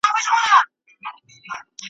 ورته یاد سي خپل اوږده لوی سفرونه `